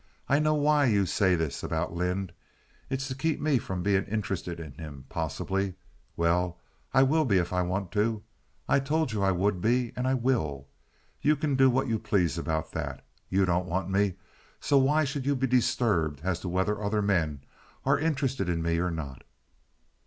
I know why you say this about Lynde. It's to keep me from being interested in him, possibly. Well, I will be if I want to. I told you I would be, and I will. You can do what you please about that. You don't want me, so why should you be disturbed as to whether other men are interested in me or not?"